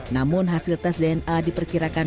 namun hasil tes dna diperkirakan